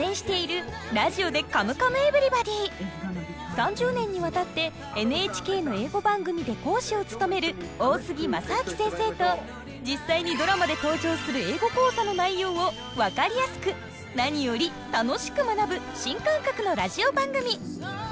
３０年にわたってＮＨＫの英語番組で講師を務める大杉正明先生と実際にドラマで登場する英語講座の内容を分かりやすく何より楽しく学ぶ新感覚のラジオ番組！